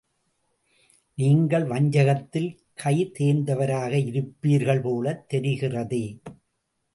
நீங்கள் வஞ்சகத்தில் கைதேர்ந்தவராக இருப்பீர்கள் போலத் தெரிகிறதே!